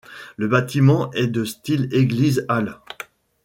Le bâtiment est de style église-halle.